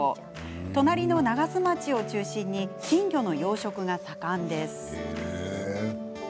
隣の長洲町を中心に金魚の養殖が盛んです。